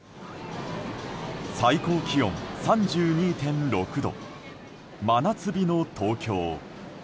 最高気温３２．６度真夏日の東京。